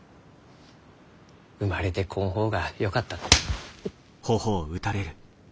生まれてこん方がよかった。